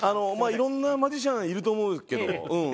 いろんなマジシャンいると思うけどうん。